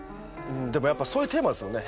でもそういうテーマですもんね